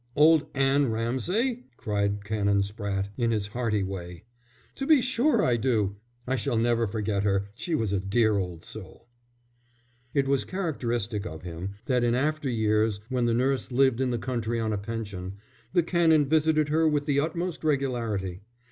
"Old Anne Ramsay?" cried Canon Spratte, in his hearty way. "To be sure I do! I shall never forget her. She was a dear old soul." It was characteristic of him that in after years, when the nurse lived in the country on a pension, the Canon visited her with the utmost regularity.